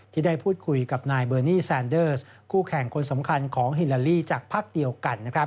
ที่พูดคุยกับเบอร์นีซานเดอสคู่แข่งคนสำคัญของฮิลาลีจากภาคเดียวกัน